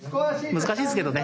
難しいですけどね。